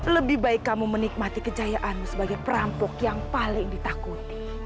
lebih baik kamu menikmati kejayaanmu sebagai perampok yang paling ditakuti